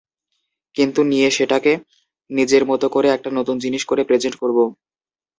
কিন্তু নিয়ে সেটাকে নিজের মতো করে একটা নতুন জিনিস করে প্রেজেন্ট করব।